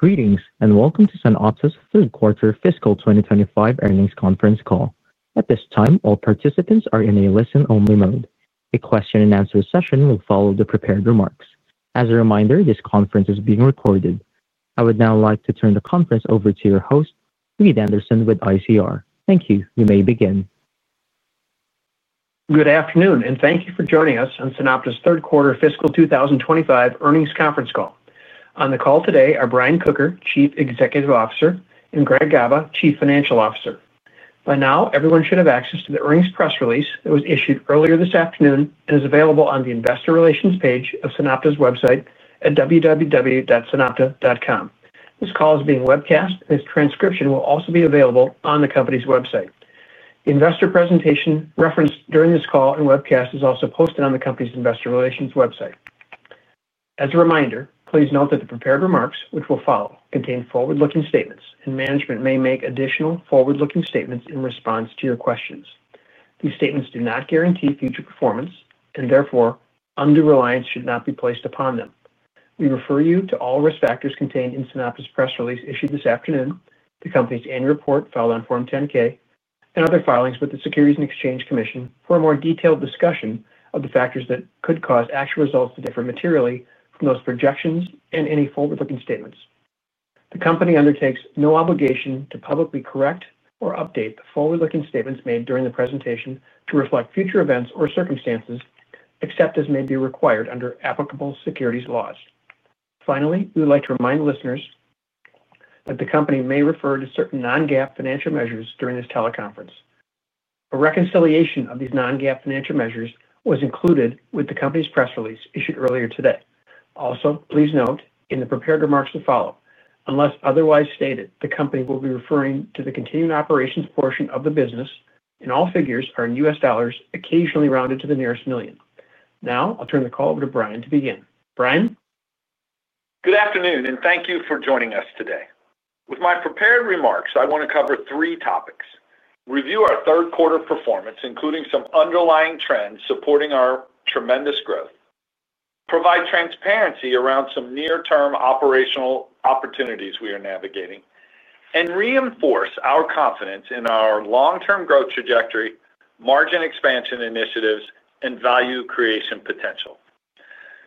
Greetings and welcome to SunOpta's third quarter fiscal 2025 earnings conference call. At this time, all participants are in a listen-only mode. A question and answer session will follow the prepared remarks. As a reminder, this conference is being recorded. I would now like to turn the conference over to your host, Reed Anderson with ICR. Thank you. You may begin. Good afternoon, and thank you for joining us on SunOpta's third quarter fiscal 2025 earnings conference call. On the call today are Brian Kocher, Chief Executive Officer, and Greg Gaba, Chief Financial Officer. By now, everyone should have access to the earnings press release that was issued earlier this afternoon and is available on the investor relations page of SunOpta's website at www.SunOpta.com. This call is being webcast, and its transcription will also be available on the company's website. The investor presentation referenced during this call and webcast is also posted on the company's investor relations website. As a reminder, please note that the prepared remarks, which will follow, contain forward-looking statements, and management may make additional forward-looking statements in response to your questions. These statements do not guarantee future performance, and therefore, undue reliance should not be placed upon them. We refer you to all risk factors contained in SunOpta's press release issued this afternoon, the company's annual report filed on Form 10-K, and other filings with the Securities and Exchange Commission for a more detailed discussion of the factors that could cause actual results to differ materially from those projections and any forward-looking statements. The company undertakes no obligation to publicly correct or update the forward-looking statements made during the presentation to reflect future events or circumstances, except as may be required under applicable securities laws. Finally, we would like to remind listeners that the company may refer to certain non-GAAP financial measures during this teleconference. A reconciliation of these non-GAAP financial measures was included with the company's press release issued earlier today. Also, please note in the prepared remarks to follow, unless otherwise stated, the company will be referring to the continuing operations portion of the business, and all figures are in US dollars, occasionally rounded to the nearest million. Now, I'll turn the call over to Brian to begin. Brian. Good afternoon, and thank you for joining us today. With my prepared remarks, I want to cover three topics: review our third quarter performance, including some underlying trends supporting our tremendous growth; provide transparency around some near-term operational opportunities we are navigating; and reinforce our confidence in our long-term growth trajectory, margin expansion initiatives, and value creation potential.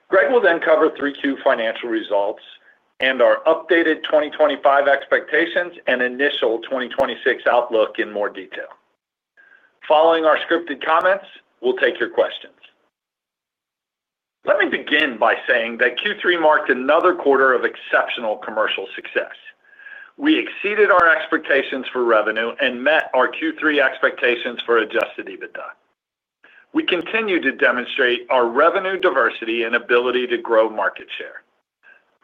Greg will then cover Q3 financial results and our updated 2025 expectations and initial 2026 outlook in more detail. Following our scripted comments, we'll take your questions. Let me begin by saying that Q3 marked another quarter of exceptional commercial success. We exceeded our expectations for revenue and met our Q3 expectations for adjusted EBITDA. We continue to demonstrate our revenue diversity and ability to grow market share.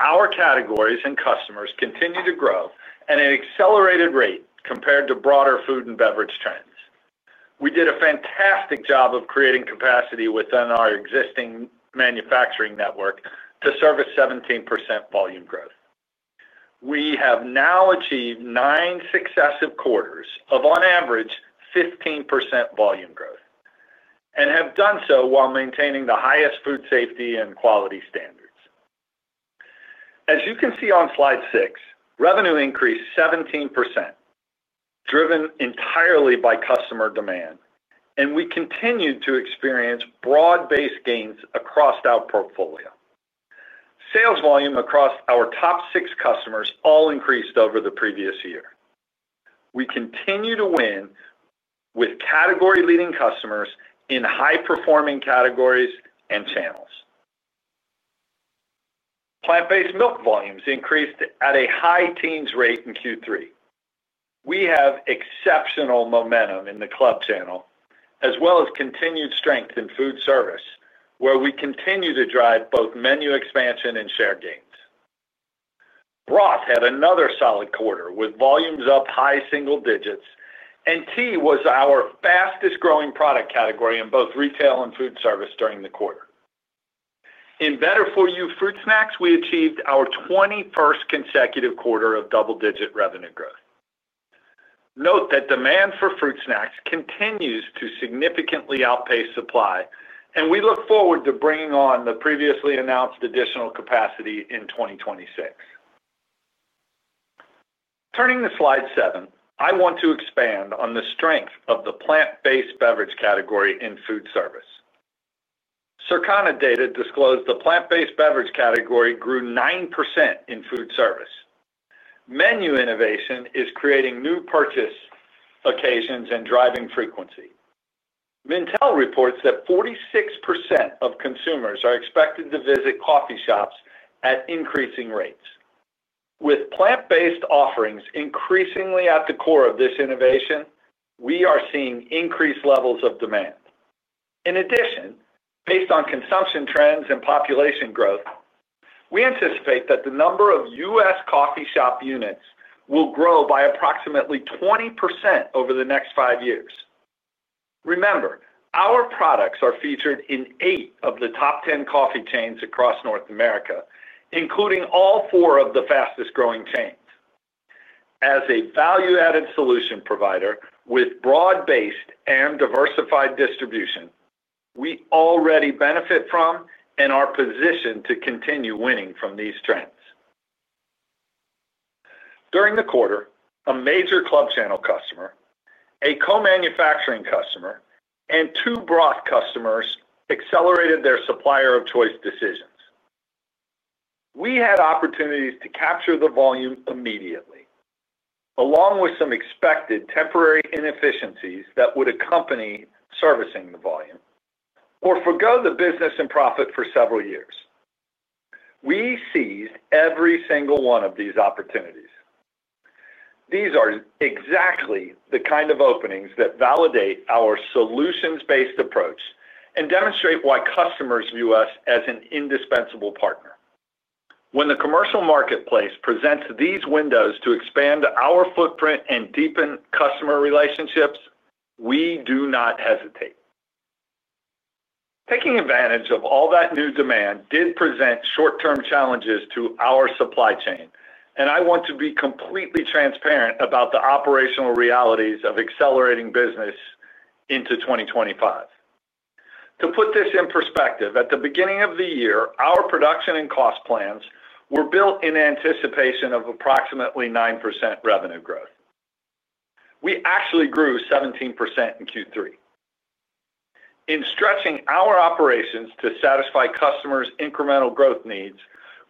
Our categories and customers continue to grow at an accelerated rate compared to broader food and beverage trends. We did a fantastic job of creating capacity within our existing manufacturing network to service 17% volume growth. We have now achieved nine successive quarters of, on average, 15% volume growth. We have done so while maintaining the highest food safety and quality standards. As you can see on slide six, revenue increased 17%, driven entirely by customer demand, and we continued to experience broad-based gains across our portfolio. Sales volume across our top six customers all increased over the previous year. We continue to win with category-leading customers in high-performing categories and channels. Plant-based milk volumes increased at a high teens rate in Q3. We have exceptional momentum in the club channel, as well as continued strength in food service, where we continue to drive both menu expansion and share gains. Broth had another solid quarter with volumes up high single digits, and tea was our fastest-growing product category in both retail and food service during the quarter. In better-for-you fruit snacks, we achieved our 21st consecutive quarter of double-digit revenue growth. Note that demand for fruit snacks continues to significantly outpace supply, and we look forward to bringing on the previously announced additional capacity in 2026. Turning to slide seven, I want to expand on the strength of the plant-based beverage category in food service. Circana data disclosed the plant-based beverage category grew 9% in food service. Menu innovation is creating new purchase occasions and driving frequency. Mintel reports that 46% of consumers are expected to visit coffee shops at increasing rates. With plant-based offerings increasingly at the core of this innovation, we are seeing increased levels of demand. In addition, based on consumption trends and population growth, we anticipate that the number of U.S. coffee shop units will grow by approximately 20% over the next five years. Remember, our products are featured in eight of the top 10 coffee chains across North America, including all four of the fastest-growing chains. As a value-added solution provider with broad-based and diversified distribution, we already benefit from and are positioned to continue winning from these trends. During the quarter, a major club channel customer, a co-manufacturing customer, and two broth customers accelerated their supplier of choice decisions. We had opportunities to capture the volume immediately. Along with some expected temporary inefficiencies that would accompany servicing the volume, or forgo the business and profit for several years. We seized every single one of these opportunities. These are exactly the kind of openings that validate our solutions-based approach and demonstrate why customers view us as an indispensable partner. When the commercial marketplace presents these windows to expand our footprint and deepen customer relationships, we do not hesitate. Taking advantage of all that new demand did present short-term challenges to our supply chain, and I want to be completely transparent about the operational realities of accelerating business into 2025. To put this in perspective, at the beginning of the year, our production and cost plans were built in anticipation of approximately 9% revenue growth. We actually grew 17% in Q3. In stretching our operations to satisfy customers' incremental growth needs,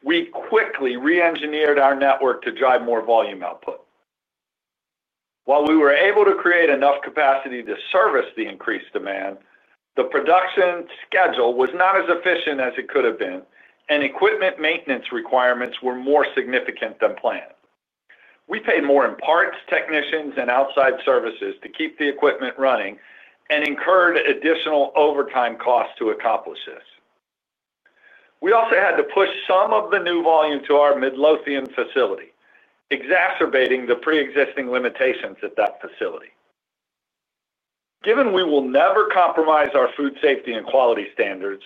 we quickly re-engineered our network to drive more volume output. While we were able to create enough capacity to service the increased demand, the production schedule was not as efficient as it could have been, and equipment maintenance requirements were more significant than planned. We paid more in parts, technicians, and outside services to keep the equipment running and incurred additional overtime costs to accomplish this. We also had to push some of the new volume to our Midlothian facility, exacerbating the pre-existing limitations at that facility. Given we will never compromise our food safety and quality standards,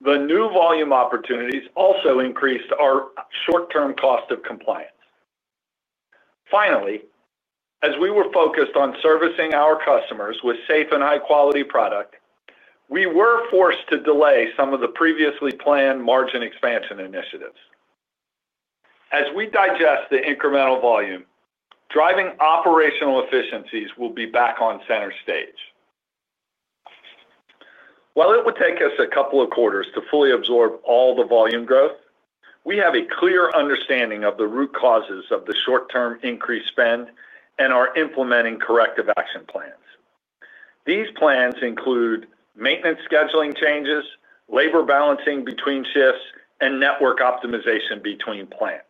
the new volume opportunities also increased our short-term cost of compliance. Finally, as we were focused on servicing our customers with safe and high-quality product, we were forced to delay some of the previously planned margin expansion initiatives. As we digest the incremental volume, driving operational efficiencies will be back on center stage. While it would take us a couple of quarters to fully absorb all the volume growth, we have a clear understanding of the root causes of the short-term increased spend and are implementing corrective action plans. These plans include maintenance scheduling changes, labor balancing between shifts, and network optimization between plants.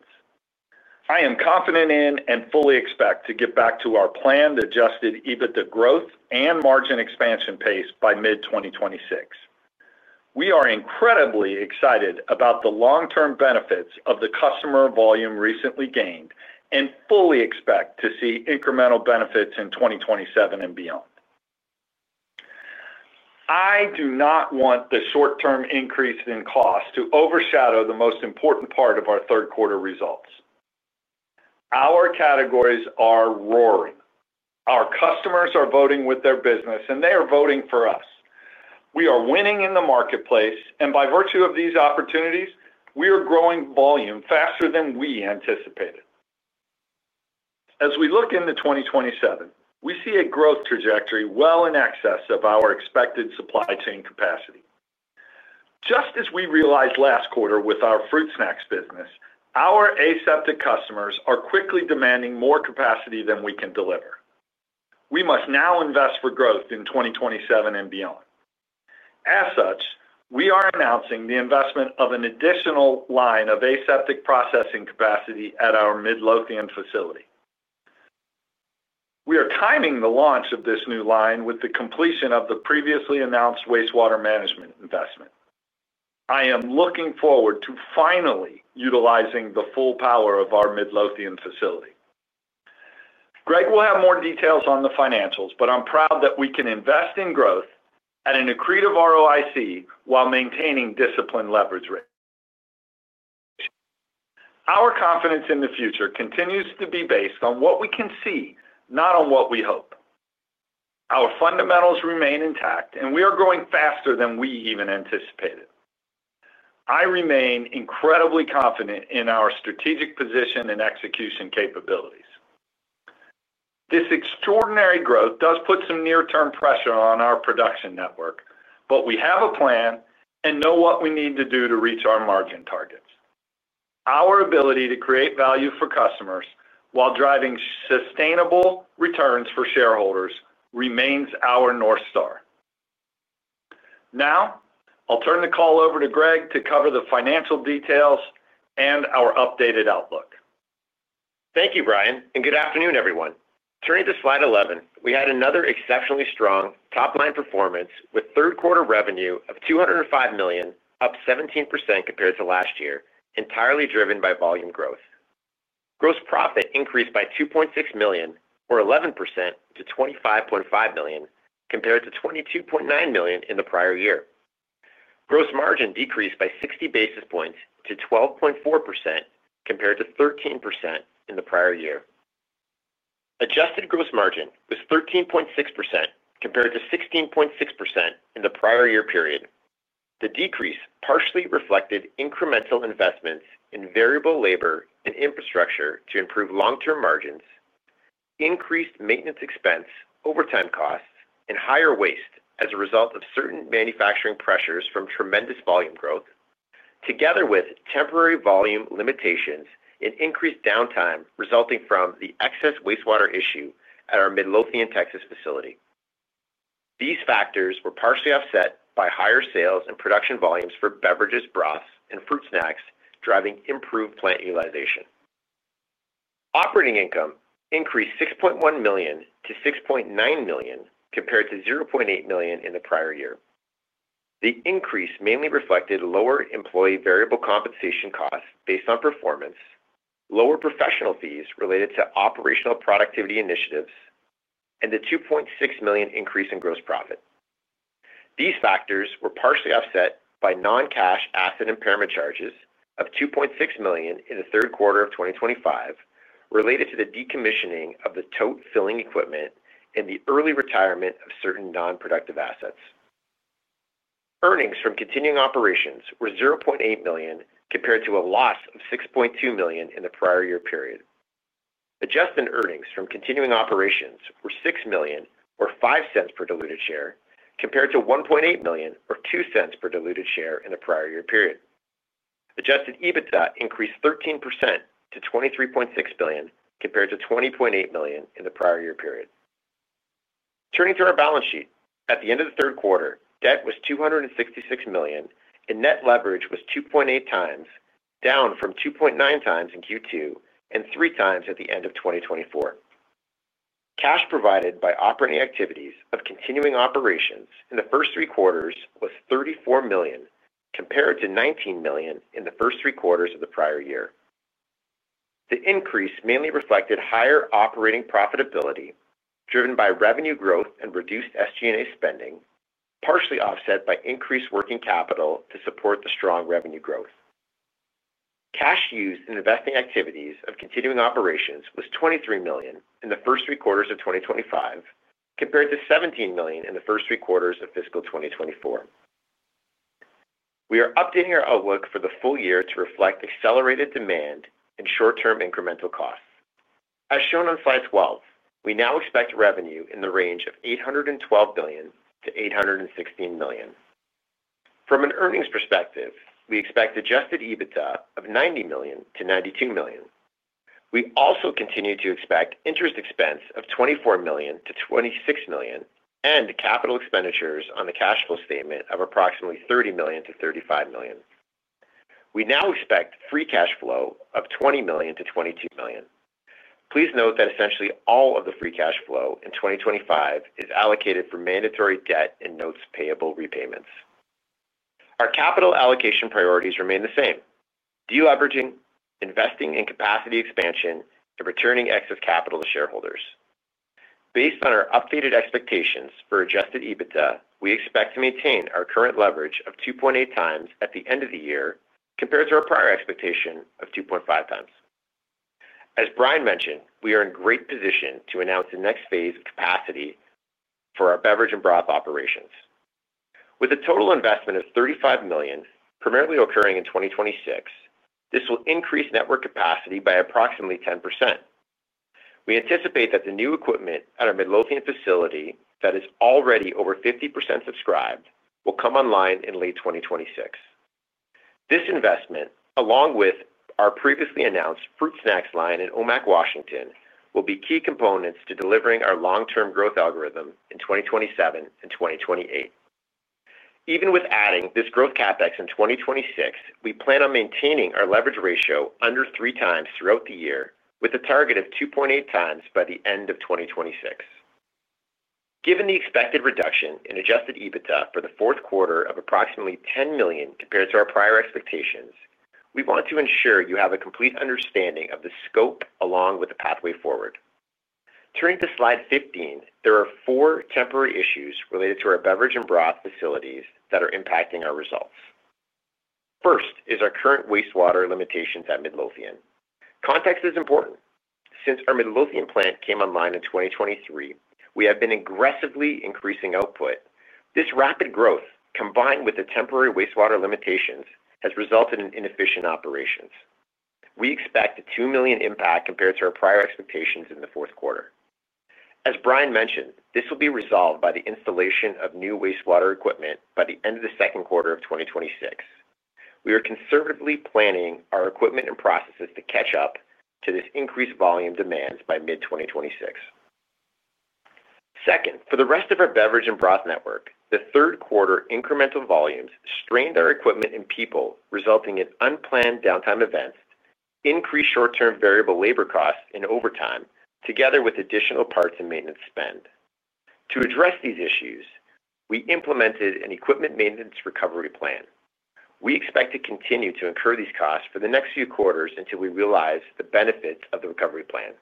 I am confident in and fully expect to get back to our planned adjusted EBITDA growth and margin expansion pace by mid-2026. We are incredibly excited about the long-term benefits of the customer volume recently gained and fully expect to see incremental benefits in 2027 and beyond. I do not want the short-term increase in cost to overshadow the most important part of our third quarter results. Our categories are roaring. Our customers are voting with their business, and they are voting for us. We are winning in the marketplace, and by virtue of these opportunities, we are growing volume faster than we anticipated. As we look into 2027, we see a growth trajectory well in excess of our expected supply chain capacity. Just as we realized last quarter with our fruit snacks business, our aseptic customers are quickly demanding more capacity than we can deliver. We must now invest for growth in 2027 and beyond. As such, we are announcing the investment of an additional line of aseptic processing capacity at our Midlothian facility. We are timing the launch of this new line with the completion of the previously announced wastewater management investment. I am looking forward to finally utilizing the full power of our Midlothian facility. Greg will have more details on the financials, but I'm proud that we can invest in growth at an accretive ROIC while maintaining discipline leverage rates. Our confidence in the future continues to be based on what we can see, not on what we hope. Our fundamentals remain intact, and we are growing faster than we even anticipated. I remain incredibly confident in our strategic position and execution capabilities. This extraordinary growth does put some near-term pressure on our production network, but we have a plan and know what we need to do to reach our margin targets. Our ability to create value for customers while driving sustainable returns for shareholders remains our North Star. Now, I'll turn the call over to Greg to cover the financial details and our updated outlook. Thank you, Brian, and good afternoon, everyone. Turning to slide 11, we had another exceptionally strong top-line performance with third-quarter revenue of $205 million, up 17% compared to last year, entirely driven by volume growth. Gross profit increased by $2.6 million, or 11%, to $25.5 million compared to $22.9 million in the prior year. Gross margin decreased by 60 basis points to 12.4% compared to 13% in the prior year. Adjusted gross margin was 13.6% compared to 16.6% in the prior year period. The decrease partially reflected incremental investments in variable labor and infrastructure to improve long-term margins, increased maintenance expense, overtime costs, and higher waste as a result of certain manufacturing pressures from tremendous volume growth, together with temporary volume limitations and increased downtime resulting from the excess wastewater issue at our Midlothian, Texas, facility. These factors were partially offset by higher sales and production volumes for beverages, broths, and fruit snacks, driving improved plant utilization. Operating income increased $6.1 million to $6.9 million compared to $0.8 million in the prior year. The increase mainly reflected lower employee variable compensation costs based on performance, lower professional fees related to operational productivity initiatives, and the $2.6 million increase in gross profit. These factors were partially offset by non-cash asset impairment charges of $2.6 million in the third quarter of 2025 related to the decommissioning of the tote filling equipment and the early retirement of certain non-productive assets. Earnings from continuing operations were $0.8 million compared to a loss of $6.2 million in the prior year period. Adjusted earnings from continuing operations were $6 million, or $0.05 per diluted share, compared to $1.8 million, or $0.02 per diluted share in the prior year period. Adjusted EBITDA increased 13% to $23.6 million compared to $20.8 million in the prior year period. Turning to our balance sheet, at the end of the third quarter, debt was $266 million, and net leverage was 2.8x, down from 2.9x in Q2 and 3x at the end of 2024. Cash provided by operating activities of continuing operations in the first three quarters was $34 million compared to $19 million in the first three quarters of the prior year. The increase mainly reflected higher operating profitability driven by revenue growth and reduced SG&A spending, partially offset by increased working capital to support the strong revenue growth. Cash used in investing activities of continuing operations was $23 million in the first three quarters of 2025 compared to $17 million in the first three quarters of fiscal 2024. We are updating our outlook for the full year to reflect accelerated demand and short-term incremental costs. As shown on slide 12, we now expect revenue in the range of $812 million-$816 million. From an earnings perspective, we expect adjusted EBITDA of $90 million-$92 million. We also continue to expect interest expense of $24 million-$26 million and capital expenditures on the cash flow statement of approximately $30 million-$35 million. We now expect free cash flow of $20 million-$22 million. Please note that essentially all of the free cash flow in 2025 is allocated for mandatory debt and notes payable repayments. Our capital allocation priorities remain the same: deleveraging, investing in capacity expansion, and returning excess capital to shareholders. Based on our updated expectations for adjusted EBITDA, we expect to maintain our current leverage of 2.8x at the end of the year compared to our prior expectation of 2.5x. As Brian mentioned, we are in great position to announce the next phase of capacity for our beverage and broth operations. With a total investment of $35 million, primarily occurring in 2026, this will increase network capacity by approximately 10%. We anticipate that the new equipment at our Midlothian facility that is already over 50% subscribed will come online in late 2026. This investment, along with our previously announced fruit snacks line in Omak, Washington, will be key components to delivering our long-term growth algorithm in 2027 and 2028. Even with adding this growth CapEx in 2026, we plan on maintaining our leverage ratio under 3x throughout the year with a target of 2.8x by the end of 2026. Given the expected reduction in adjusted EBITDA for the fourth quarter of approximately $10 million compared to our prior expectations, we want to ensure you have a complete understanding of the scope along with the pathway forward. Turning to slide 15, there are four temporary issues related to our beverage and broth facilities that are impacting our results. First is our current wastewater limitations at Midlothian. Context is important. Since our Midlothian plant came online in 2023, we have been aggressively increasing output. This rapid growth, combined with the temporary wastewater limitations, has resulted in inefficient operations. We expect a $2 million impact compared to our prior expectations in the fourth quarter. As Brian mentioned, this will be resolved by the installation of new wastewater equipment by the end of the second quarter of 2026. We are conservatively planning our equipment and processes to catch up to this increased volume demands by mid-2026. Second, for the rest of our beverage and broth network, the third quarter incremental volumes strained our equipment and people, resulting in unplanned downtime events, increased short-term variable labor costs, and overtime, together with additional parts and maintenance spend. To address these issues, we implemented an equipment maintenance recovery plan. We expect to continue to incur these costs for the next few quarters until we realize the benefits of the recovery plan.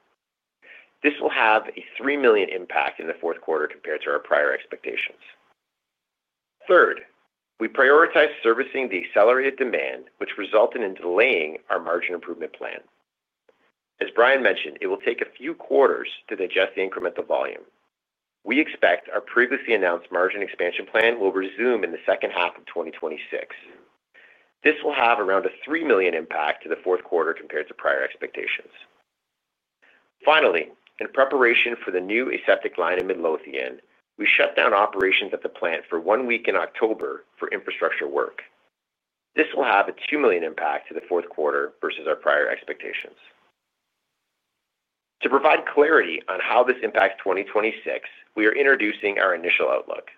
This will have a $3 million impact in the fourth quarter compared to our prior expectations. Third, we prioritize servicing the accelerated demand, which resulted in delaying our margin improvement plan. As Brian mentioned, it will take a few quarters to adjust the incremental volume. We expect our previously announced margin expansion plan will resume in the second half of 2026. This will have around a $3 million impact to the fourth quarter compared to prior expectations. Finally, in preparation for the new aseptic line in Midlothian, we shut down operations at the plant for one week in October for infrastructure work. This will have a $2 million impact to the fourth quarter versus our prior expectations. To provide clarity on how this impacts 2026, we are introducing our initial outlook.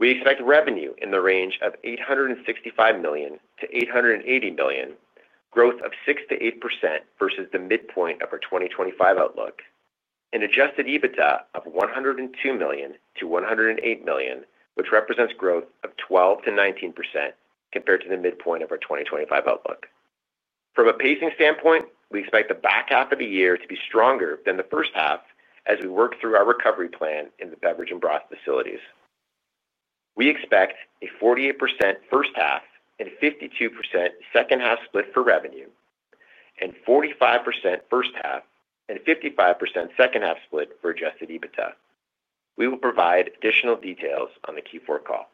We expect revenue in the range of $865 million-$880 million, growth of 6%-8% versus the midpoint of our 2025 outlook, and adjusted EBITDA of $102 million-$108 million, which represents growth of 12%-19% compared to the midpoint of our 2025 outlook. From a pacing standpoint, we expect the back half of the year to be stronger than the first half as we work through our recovery plan in the beverage and broth facilities. We expect a 48% first half and 52% second half split for revenue, and 45% first half and 55% second half split for adjusted EBITDA. We will provide additional details on the Q4 call.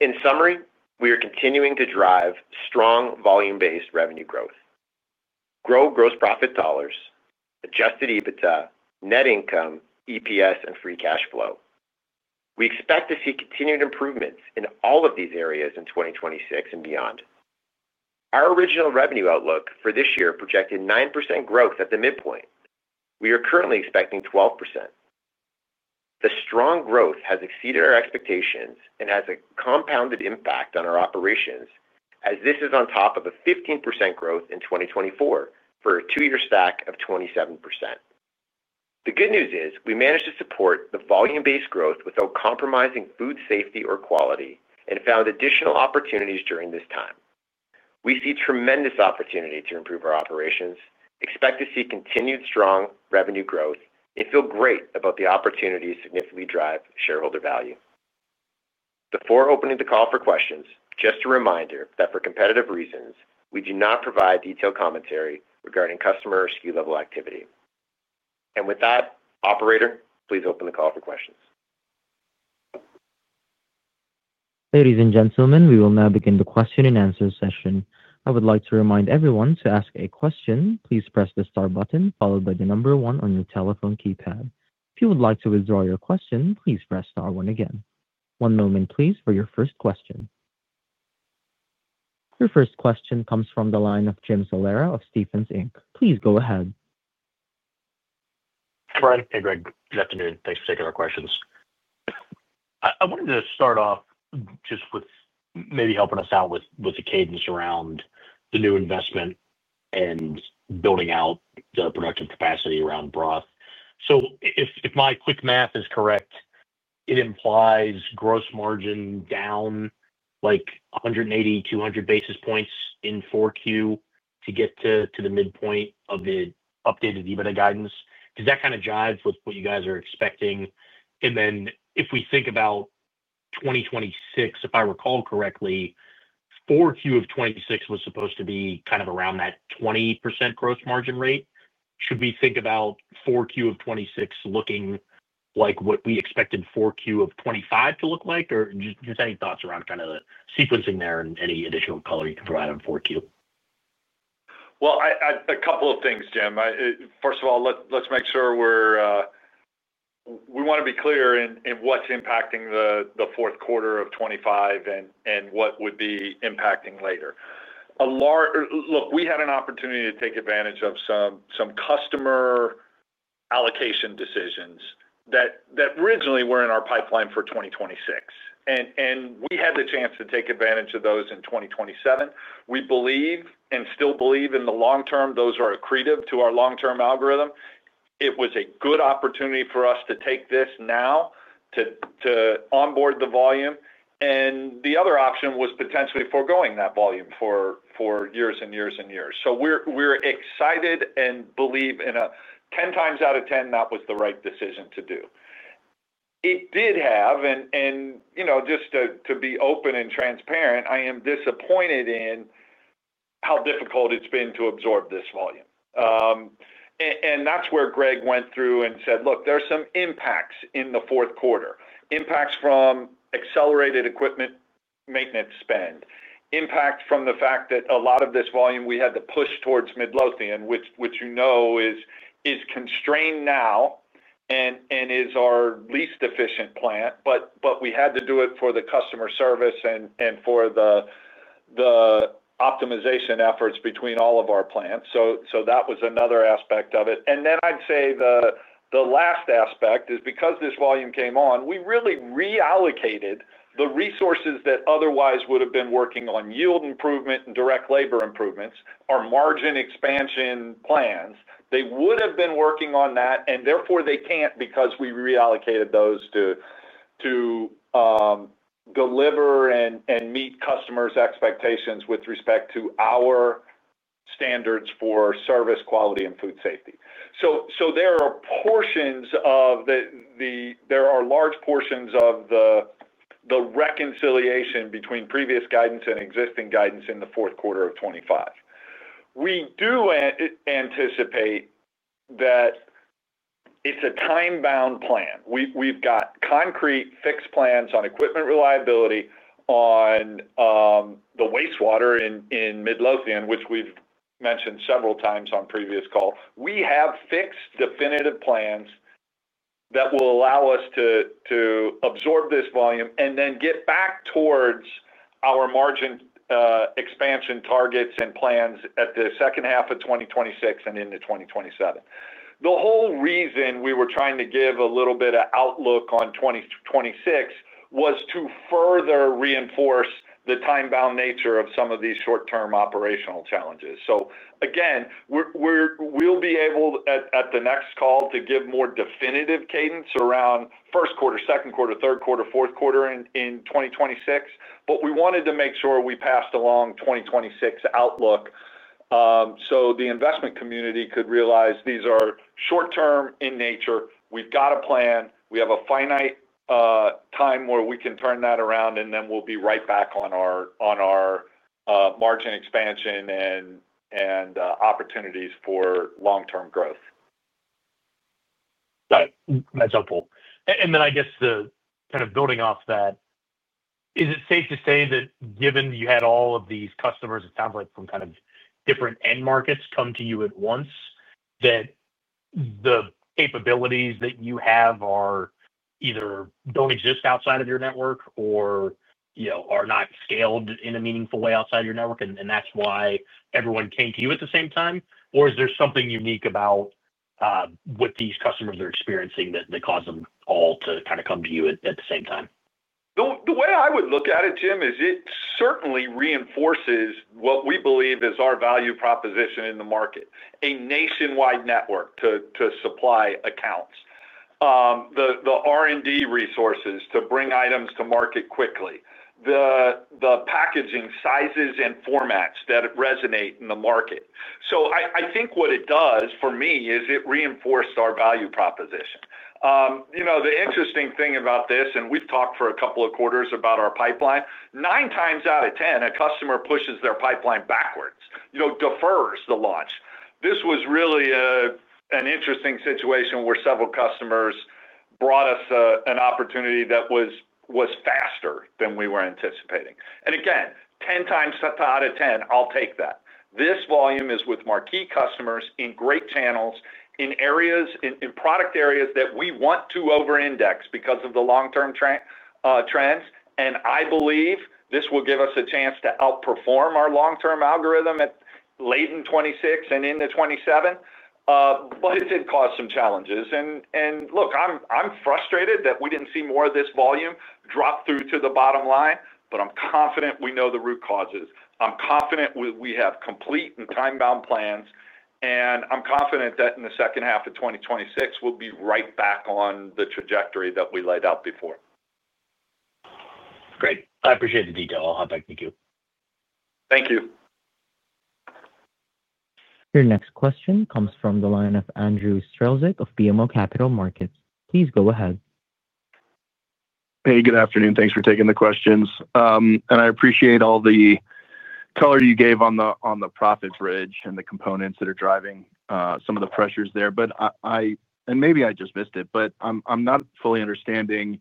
In summary, we are continuing to drive strong volume-based revenue growth. Grow gross profit dollars, adjusted EBITDA, net income, EPS, and free cash flow. We expect to see continued improvements in all of these areas in 2026 and beyond. Our original revenue outlook for this year projected 9% growth at the midpoint. We are currently expecting 12%. The strong growth has exceeded our expectations and has a compounded impact on our operations as this is on top of a 15% growth in 2024 for a two-year stack of 27%. The good news is we managed to support the volume-based growth without compromising food safety or quality and found additional opportunities during this time. We see tremendous opportunity to improve our operations, expect to see continued strong revenue growth, and feel great about the opportunities to significantly drive shareholder value. Before opening the call for questions, just a reminder that for competitive reasons, we do not provide detailed commentary regarding customer or SKU-level activity. With that, operator, please open the call for questions. Ladies and gentlemen, we will now begin the question and answer session. I would like to remind everyone to ask a question. Please press the star button followed by the number one on your telephone keypad. If you would like to withdraw your question, please press star one again. One moment, please, for your first question. Your first question comes from the line of Jim Salera of Stephens Inc. Please go ahead. Hi, Brian. Hey, Greg. Good afternoon. Thanks for taking our questions. I wanted to start off just with maybe helping us out with the cadence around the new investment and building out the production capacity around broth. So if my quick math is correct, it implies gross margin down like 180-200 basis points in Q4 to get to the midpoint of the updated EBITDA guidance because that kind of jives with what you guys are expecting. And then if we think about 2026, if I recall correctly, Q4 of 2026 was supposed to be kind of around that 20% gross margin rate. Should we think about Q4 of 2026 looking like what we expected Q4 of 2025 to look like, or just any thoughts around kind of the sequencing there and any additional color you can provide on Q4? A couple of things, Jim. First of all, let's make sure we're clear in what's impacting the fourth quarter of 2025 and what would be impacting later. Look, we had an opportunity to take advantage of some customer allocation decisions that originally were in our pipeline for 2026. We had the chance to take advantage of those in 2027. We believe and still believe in the long term those are accretive to our long-term algorithm. It was a good opportunity for us to take this now to onboard the volume. The other option was potentially forgoing that volume for years and years and years. We are excited and believe 10x out of ten that was the right decision to do. It did have, and just to be open and transparent, I am disappointed in how difficult it's been to absorb this volume. That is where Greg went through and said, "Look, there are some impacts in the fourth quarter. Impacts from accelerated equipment maintenance spend, impacts from the fact that a lot of this volume we had to push towards Midlothian, which you know is constrained now and is our least efficient plant. We had to do it for the customer service and for the optimization efforts between all of our plants." That was another aspect of it. I would say the last aspect is because this volume came on, we really reallocated the resources that otherwise would have been working on yield improvement and direct labor improvements, our margin expansion plans. They would have been working on that, and therefore they cannot because we reallocated those to deliver and meet customers' expectations with respect to our standards for service quality and food safety. There are large portions of the reconciliation between previous guidance and existing guidance in the fourth quarter of 2025. We do anticipate that. It's a time-bound plan. We've got concrete fixed plans on equipment reliability, on the wastewater in Midlothian, which we've mentioned several times on previous calls. We have fixed definitive plans that will allow us to absorb this volume and then get back towards our margin expansion targets and plans at the second half of 2026 and into 2027. The whole reason we were trying to give a little bit of outlook on 2026 was to further reinforce the time-bound nature of some of these short-term operational challenges. Again, we'll be able at the next call to give more definitive cadence around first quarter, second quarter, third quarter, fourth quarter in 2026. We wanted to make sure we passed along 2026 outlook. The investment community could realize these are short-term in nature. We've got a plan. We have a finite time where we can turn that around, and then we'll be right back on our margin expansion and opportunities for long-term growth. Got it. That's helpful. I guess kind of building off that, is it safe to say that given you had all of these customers, it sounds like from kind of different end markets, come to you at once, that the capabilities that you have either don't exist outside of your network or are not scaled in a meaningful way outside of your network, and that's why everyone came to you at the same time? Is there something unique about what these customers are experiencing that caused them all to kind of come to you at the same time? The way I would look at it, Jim, is it certainly reinforces what we believe is our value proposition in the market: a nationwide network to supply accounts. The R&D resources to bring items to market quickly. The packaging sizes and formats that resonate in the market. I think what it does for me is it reinforced our value proposition. The interesting thing about this, and we've talked for a couple of quarters about our pipeline, 9x out of 10, a customer pushes their pipeline backwards, defers the launch. This was really an interesting situation where several customers brought us an opportunity that was faster than we were anticipating. Again, 10x out of 10, I'll take that. This volume is with marquee customers in great channels, in product areas that we want to over-index because of the long-term trends. I believe this will give us a chance to outperform our long-term algorithm late in 2026 and into 2027. It did cause some challenges. Look, I'm frustrated that we didn't see more of this volume drop through to the bottom line, but I'm confident we know the root causes. I'm confident we have complete and time-bound plans, and I'm confident that in the second half of 2026, we'll be right back on the trajectory that we laid out before. Great. I appreciate the detail. I'll hop back. Thank you. Thank you. Your next question comes from the line of Andrew Strelzik of BMO Capital Markets. Please go ahead. Hey, good afternoon. Thanks for taking the questions. I appreciate all the color you gave on the profits ridge and the components that are driving some of the pressures there. Maybe I just missed it, but I'm not fully understanding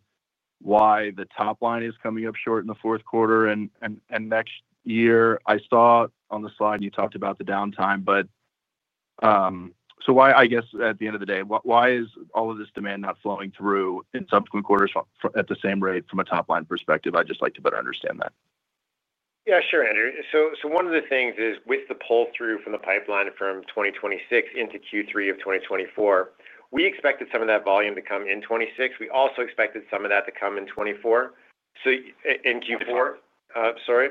why the top line is coming up short in the fourth quarter. Next year, I saw on the slide you talked about the downtime. I guess at the end of the day, why is all of this demand not flowing through in subsequent quarters at the same rate from a top line perspective? I'd just like to better understand that. Yeah, sure, Andrew. One of the things is with the pull-through from the pipeline from 2026 into Q3 of 2024, we expected some of that volume to come in 2026. We also expected some of that to come in 2024. In Q4? Sorry.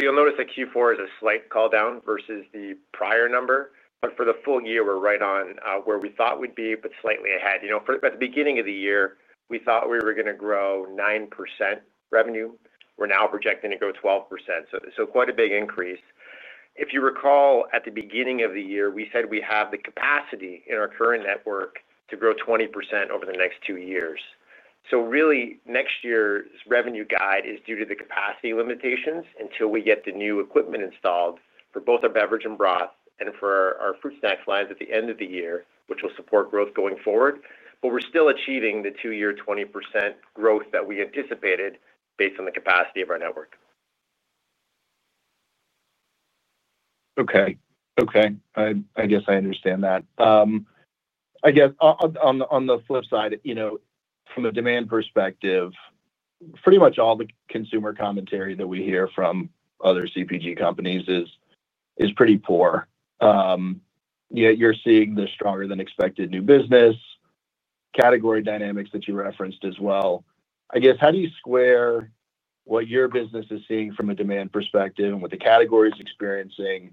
You'll notice that Q4 is a slight call down versus the prior number. For the full year, we're right on where we thought we'd be, but slightly ahead. At the beginning of the year, we thought we were going to grow 9% revenue. We're now projecting to grow 12%. Quite a big increase. If you recall, at the beginning of the year, we said we have the capacity in our current network to grow 20% over the next two years. Really, next year's revenue guide is due to the capacity limitations until we get the new equipment installed for both our beverage and broth and for our fruit snack lines at the end of the year, which will support growth going forward. We're still achieving the two-year 20% growth that we anticipated based on the capacity of our network. Okay. Okay. I guess I understand that. I guess on the flip side. From a demand perspective, pretty much all the consumer commentary that we hear from other CPG companies is pretty poor. You're seeing the stronger-than-expected new business. Category dynamics that you referenced as well. I guess how do you square what your business is seeing from a demand perspective and what the category is experiencing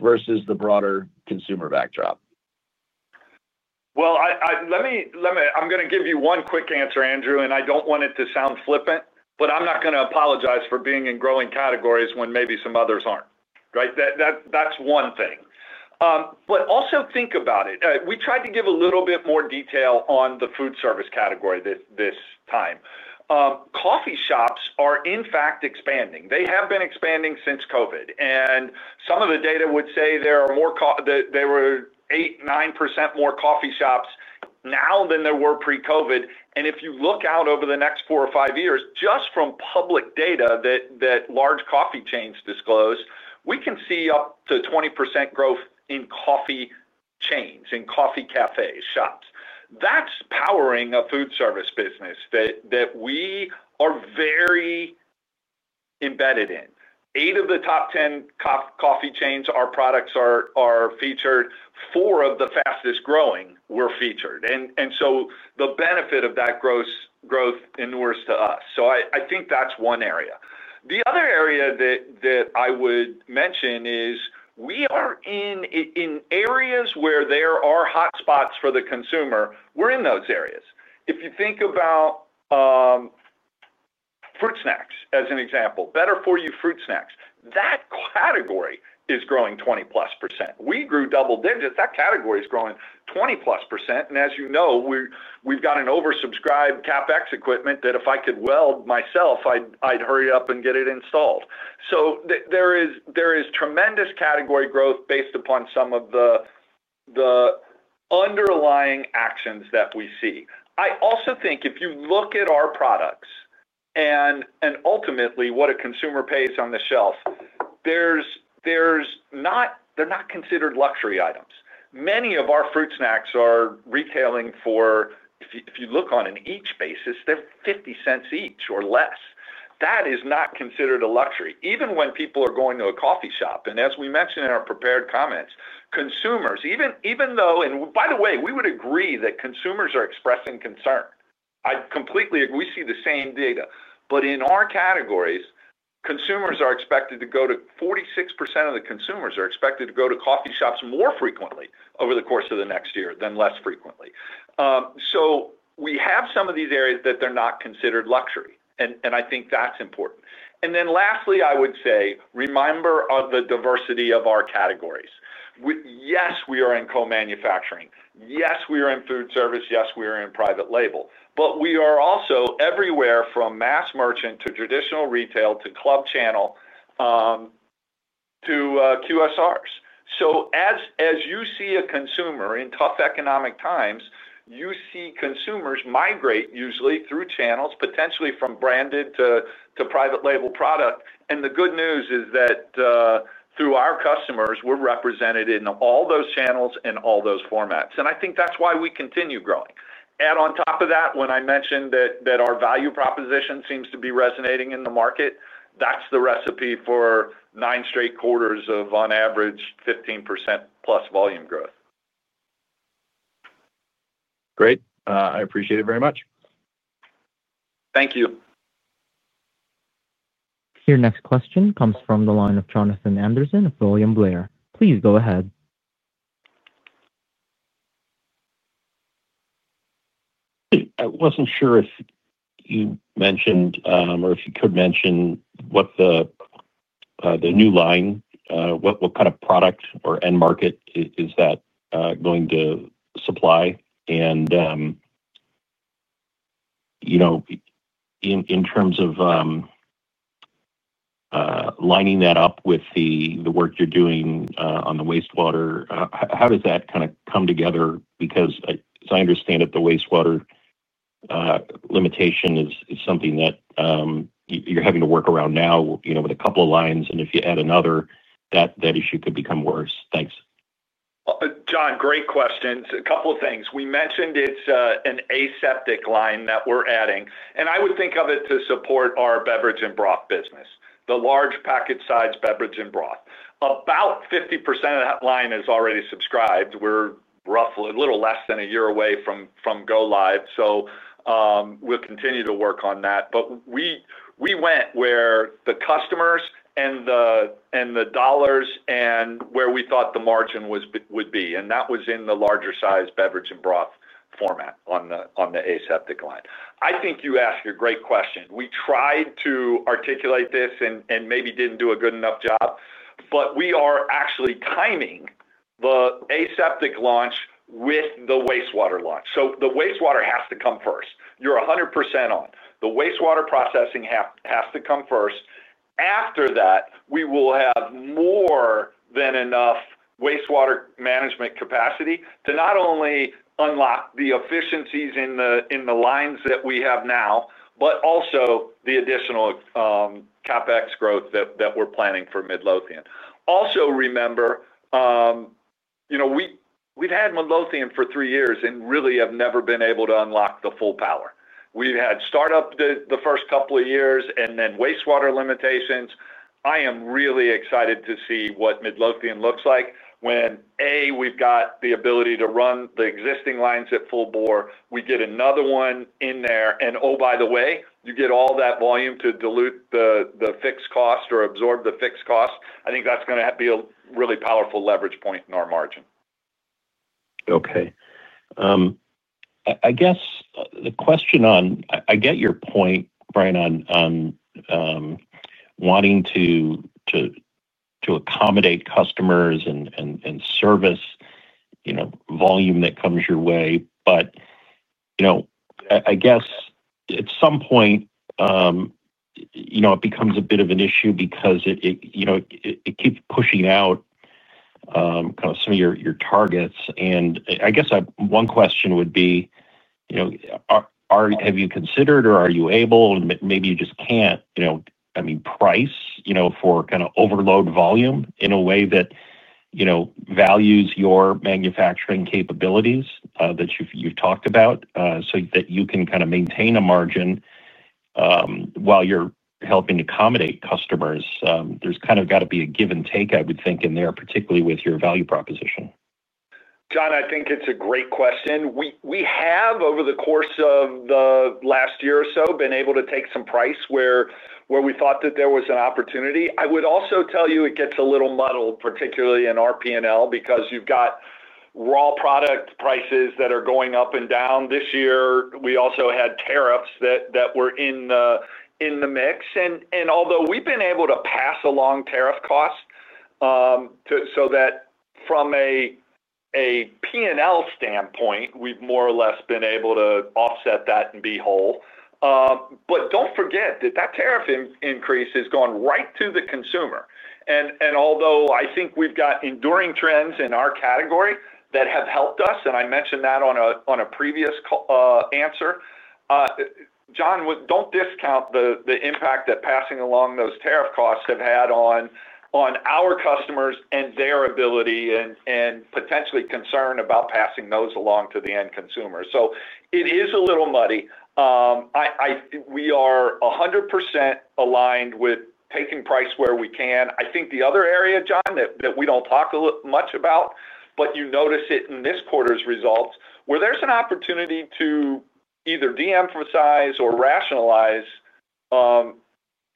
versus the broader consumer backdrop? I am going to give you one quick answer, Andrew, and I do not want it to sound flippant, but I am not going to apologize for being in growing categories when maybe some others are not, right? That is one thing. Also think about it. We tried to give a little bit more detail on the food service category this time. Coffee shops are, in fact, expanding. They have been expanding since COVID. Some of the data would say there are more—there were 8%-9% more coffee shops now than there were pre-COVID. If you look out over the next four or five years, just from public data that large coffee chains disclose, we can see up to 20% growth in coffee chains, in coffee cafes, shops. That is powering a food service business that we are very embedded in. Eight of the top 10 coffee chains our products are featured. Four of the fastest growing were featured. The benefit of that growth endures to us. I think that is one area. The other area that I would mention is we are in areas where there are hotspots for the consumer. We are in those areas. If you think about fruit snacks, as an example, Better For You fruit snacks, that category is growing 20%+. We grew double digits. That category is growing 20%+. As you know, we've got an oversubscribed CapEx equipment that if I could weld myself, I'd hurry up and get it installed. There is tremendous category growth based upon some of the underlying actions that we see. I also think if you look at our products and ultimately what a consumer pays on the shelf, they're not considered luxury items. Many of our fruit snacks are retailing for—if you look on an each basis, they're $0.50 each or less. That is not considered a luxury. Even when people are going to a coffee shop, and as we mentioned in our prepared comments, consumers, even though—and by the way, we would agree that consumers are expressing concern. We see the same data. In our categories, consumers are expected to go to—46% of the consumers are expected to go to coffee shops more frequently over the course of the next year than less frequently. We have some of these areas that they're not considered luxury. I think that's important. Lastly, I would say, remember the diversity of our categories. Yes, we are in co-manufacturing. Yes, we are in food service. Yes, we are in private label. We are also everywhere from mass merchant to traditional retail to Club Channel to QSRs. As you see a consumer in tough economic times, you see consumers migrate usually through channels, potentially from branded to private label product. The good news is that through our customers, we're represented in all those channels and all those formats. I think that's why we continue growing. On top of that, when I mentioned that our value proposition seems to be resonating in the market, that's the recipe for nine straight quarters of, on average, 15%+ volume growth. Great. I appreciate it very much. Thank you. Your next question comes from the line of Jonathan Anderson of William Blair. Please go ahead. I wasn't sure if you mentioned or if you could mention what the new line, what kind of product or end market is that going to supply. In terms of lining that up with the work you're doing on the wastewater, how does that kind of come together? Because as I understand it, the wastewater limitation is something that you're having to work around now with a couple of lines. If you add another, that issue could become worse. Thanks. John, great question. A couple of things. We mentioned it's an aseptic line that we're adding. I would think of it to support our beverage and broth business, the large packet-sized beverage and broth. About 50% of that line is already subscribed. We're a little less than a year away from go-live. We'll continue to work on that. We went where the customers and the dollars and where we thought the margin would be. That was in the larger-sized beverage and broth format on the aseptic line. I think you asked a great question. We tried to articulate this and maybe didn't do a good enough job. We are actually timing the aseptic launch with the wastewater launch. The wastewater has to come first. You're 100% on. The wastewater processing has to come first. After that, we will have more than enough wastewater management capacity to not only unlock the efficiencies in the lines that we have now, but also the additional CapEx growth that we're planning for Midlothian. Also remember, we've had Midlothian for three years and really have never been able to unlock the full power. We've had startup the first couple of years and then wastewater limitations. I am really excited to see what Midlothian looks like when, A, we've got the ability to run the existing lines at full bore. We get another one in there. And oh, by the way, you get all that volume to dilute the fixed cost or absorb the fixed cost. I think that's going to be a really powerful leverage point in our margin. Okay. I guess the question on—I get your point, Brian, on wanting to accommodate customers and service. Volume that comes your way. I guess at some point it becomes a bit of an issue because it keeps pushing out kind of some of your targets. I guess one question would be, have you considered or are you able—and maybe you just can't—I mean, price for kind of overload volume in a way that values your manufacturing capabilities that you've talked about so that you can kind of maintain a margin while you're helping accommodate customers? There's kind of got to be a give and take, I would think, in there, particularly with your value proposition. John, I think it's a great question. We have, over the course of the last year or so, been able to take some price where we thought that there was an opportunity. I would also tell you it gets a little muddled, particularly in our P&L, because you've got raw product prices that are going up and down. This year, we also had tariffs that were in the mix. Although we've been able to pass along tariff costs, from a P&L standpoint, we've more or less been able to offset that and be whole. Do not forget that that tariff increase has gone right to the consumer. Although I think we've got enduring trends in our category that have helped us, and I mentioned that on a previous answer, John, do not discount the impact that passing along those tariff costs have had on our customers and their ability and potentially concern about passing those along to the end consumer. It is a little muddy. We are 100% aligned with taking price where we can. I think the other area, John, that we do not talk much about, but you notice it in this quarter's results, where there is an opportunity to either de-emphasize or rationalize.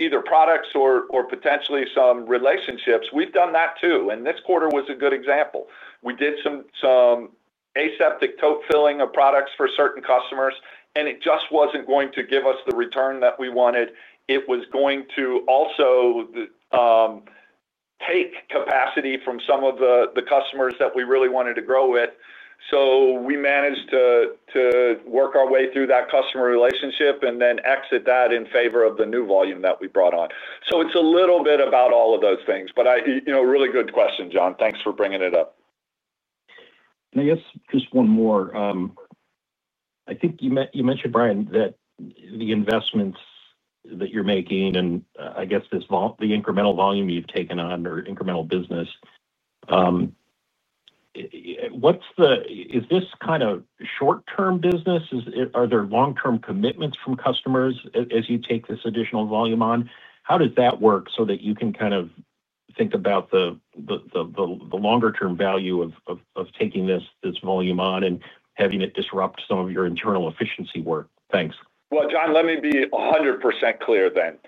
Either products or potentially some relationships, we have done that too. This quarter was a good example. We did some aseptic tote filling of products for certain customers, and it just was not going to give us the return that we wanted. It was going to also take capacity from some of the customers that we really wanted to grow with. We managed to work our way through that customer relationship and then exit that in favor of the new volume that we brought on. It is a little bit about all of those things. Really good question, John. Thanks for bringing it up. I guess just one more. I think you mentioned, Brian, that the investments that you're making and I guess the incremental volume you've taken on or incremental business. Is this kind of short-term business? Are there long-term commitments from customers as you take this additional volume on? How does that work so that you can kind of think about the longer-term value of taking this volume on and having it disrupt some of your internal efficiency work? Thanks. John, let me be 100% clear then.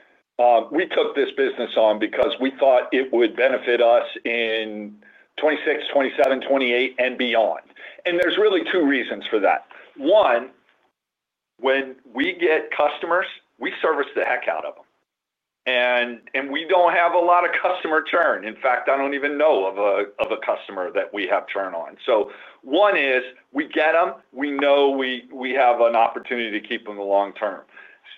We took this business on because we thought it would benefit us in 2026, 2027, 2028, and beyond. There are really two reasons for that. One, when we get customers, we service the heck out of them. We do not have a lot of customer churn. In fact, I do not even know of a customer that we have churn on. One is we get them. We know we have an opportunity to keep them the long term.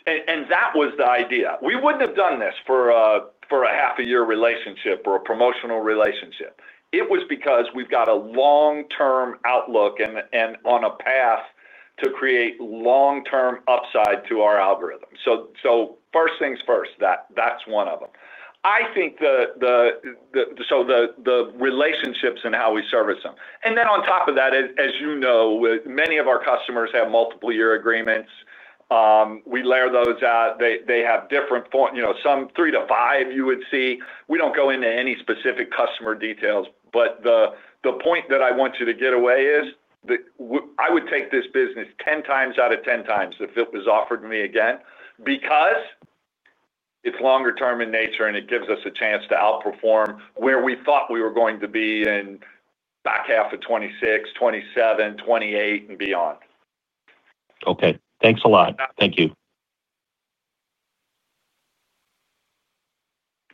That was the idea. We would not have done this for a half-a-year relationship or a promotional relationship. It was because we have a long-term outlook and are on a path to create long-term upside to our algorithm. First things first, that is one of them. I think the relationships and how we service them. On top of that, as you know, many of our customers have multiple-year agreements. We layer those out. They have different, some three to five, you would see. We do not go into any specific customer details. The point that I want you to get away is, I would take this business 10x out of 10x if it was offered to me again because it is longer-term in nature, and it gives us a chance to outperform where we thought we were going to be in back half of 2026, 2027, 2028, and beyond. Okay. Thanks a lot. Thank you.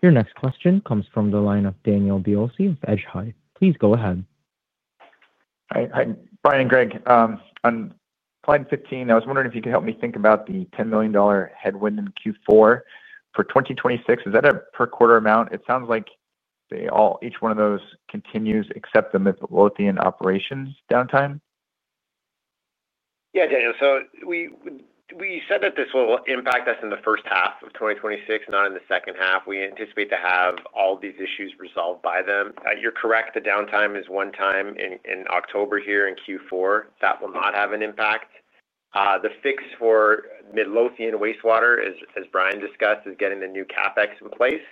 Your next question comes from the line of Daniel Biolsi of Hedgeye. Please go ahead. Hi, Brian and Greg. On slide 15, I was wondering if you could help me think about the $10 million headwind in Q4 for 2026. Is that a per quarter amount? It sounds like each one of those continues except the Midlothian operations downtime. Yeah, Daniel. So. We said that this will impact us in the first half of 2026, not in the second half. We anticipate to have all these issues resolved by then. You're correct. The downtime is 1x in October here in Q4. That will not have an impact. The fix for Midlothian wastewater, as Brian discussed, is getting the new CapEx in place,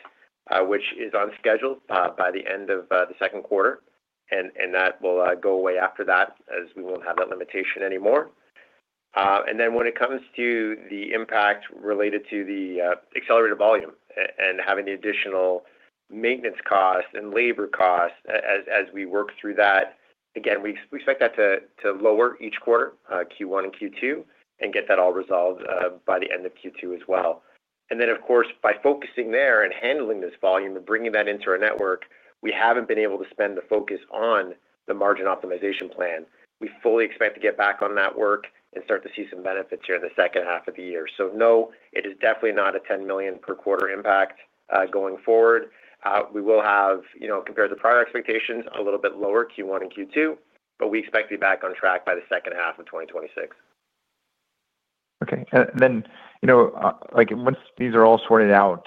which is on schedule by the end of the second quarter. That will go away after that as we won't have that limitation anymore. When it comes to the impact related to the accelerated volume and having the additional maintenance cost and labor cost as we work through that, again, we expect that to lower each quarter, Q1 and Q2, and get that all resolved by the end of Q2 as well. Of course, by focusing there and handling this volume and bringing that into our network, we have not been able to spend the focus on the margin optimization plan. We fully expect to get back on that work and start to see some benefits here in the second half of the year. No, it is definitely not a $10 million per quarter impact going forward. We will have, compared to prior expectations, a little bit lower Q1 and Q2, but we expect to be back on track by the second half of 2026. Okay. Once these are all sorted out,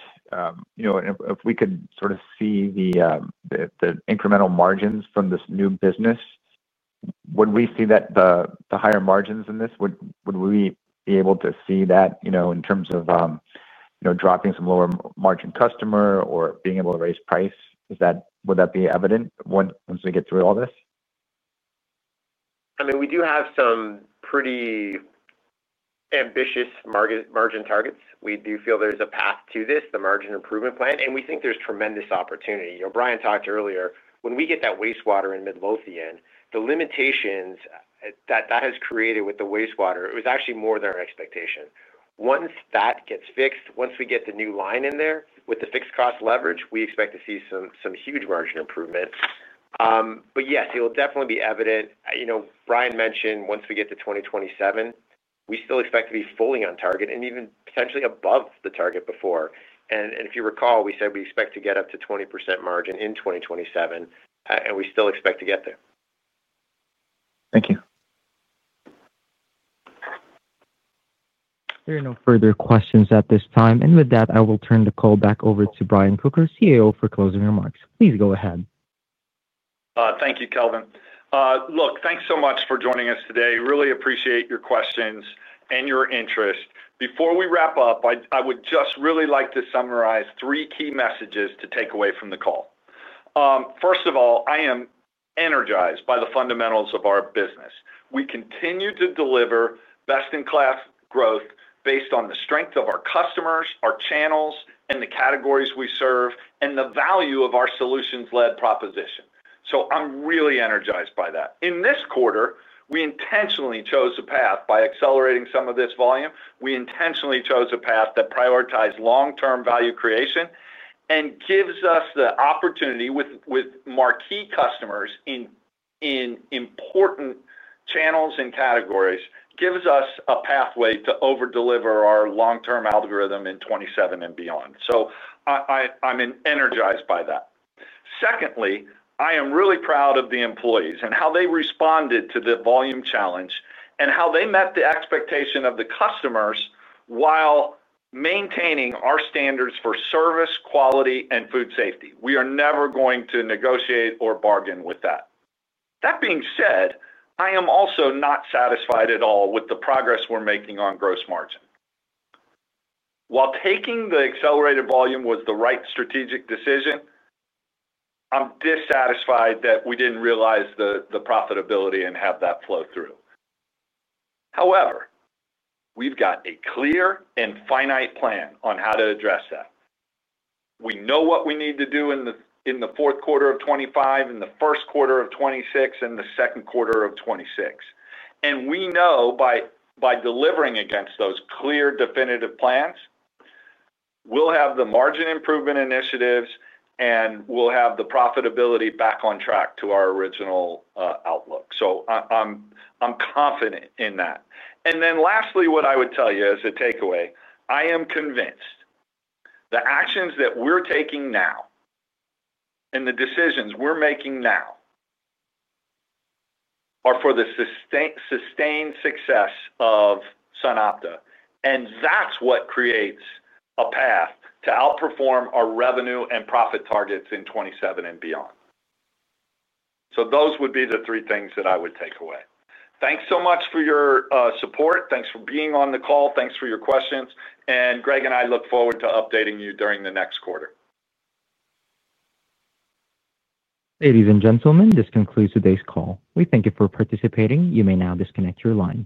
if we could sort of see the incremental margins from this new business, would we see the higher margins in this? Would we be able to see that in terms of dropping some lower margin customer or being able to raise price? Would that be evident once we get through all this? I mean, we do have some pretty ambitious margin targets. We do feel there's a path to this, the margin improvement plan. We think there's tremendous opportunity. Brian talked earlier. When we get that wastewater in Midlothian, the limitations that has created with the wastewater, it was actually more than our expectation. Once that gets fixed, once we get the new line in there with the fixed cost leverage, we expect to see some huge margin improvement. Yes, it will definitely be evident. Brian mentioned once we get to 2027, we still expect to be fully on target and even potentially above the target before. If you recall, we said we expect to get up to 20% margin in 2027, and we still expect to get there. Thank you. There are no further questions at this time. With that, I will turn the call back over to Brian Kocher, CEO, for closing remarks. Please go ahead. Thank you, Kelvin. Look, thanks so much for joining us today. Really appreciate your questions and your interest. Before we wrap up, I would just really like to summarize three key messages to take away from the call. First of all, I am energized by the fundamentals of our business. We continue to deliver best-in-class growth based on the strength of our customers, our channels, and the categories we serve, and the value of our solutions-led proposition. I'm really energized by that. In this quarter, we intentionally chose a path by accelerating some of this volume. We intentionally chose a path that prioritized long-term value creation and gives us the opportunity with marquee customers in important channels and categories, gives us a pathway to overdeliver our long-term algorithm in 2027 and beyond. I'm energized by that. Secondly, I am really proud of the employees and how they responded to the volume challenge and how they met the expectation of the customers while maintaining our standards for service, quality, and food safety. We are never going to negotiate or bargain with that. That being said, I am also not satisfied at all with the progress we're making on gross margin. While taking the accelerated volume was the right strategic decision, I'm dissatisfied that we didn't realize the profitability and have that flow through. However, we've got a clear and finite plan on how to address that. We know what we need to do in the fourth quarter of 2025, in the first quarter of 2026, and the second quarter of 2026. We know by delivering against those clear, definitive plans. We'll have the margin improvement initiatives, and we'll have the profitability back on track to our original outlook. I'm confident in that. Lastly, what I would tell you as a takeaway, I am convinced the actions that we're taking now and the decisions we're making now are for the sustained success of SunOpta. That's what creates a path to outperform our revenue and profit targets in 2027 and beyond. Those would be the three things that I would take away. Thanks so much for your support. Thanks for being on the call. Thanks for your questions. Greg and I look forward to updating you during the next quarter. Ladies and gentlemen, this concludes today's call. We thank you for participating. You may now disconnect your line.